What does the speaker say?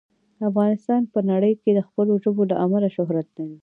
افغانستان په نړۍ کې د خپلو ژبو له امله شهرت لري.